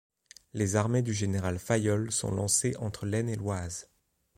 Les armées du général Fayolle sont lancées entre l'Aisne et l'Oise.